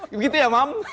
begitu ya mam